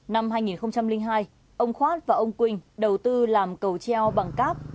năm hai nghìn hai ông khoát và ông quỳnh đầu tư làm cầu treo bằng cáp